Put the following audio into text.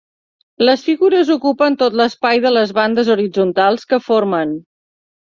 Les figures ocupen tot l'espai de les bandes horitzontals que formen.